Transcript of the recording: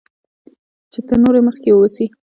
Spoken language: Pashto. چې تر نورو مخکې واوسی